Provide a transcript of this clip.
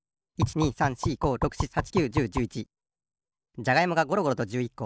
じゃがいもがゴロゴロと１１こ。